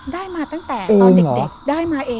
ได้มาตั้งแต่ตอนเด็กได้มาเอง